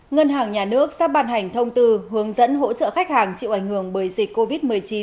ngân hàng nhà nước sắp bàn hành thông tư hướng dẫn hỗ trợ khách hàng chịu ảnh hưởng bởi dịch covid một mươi chín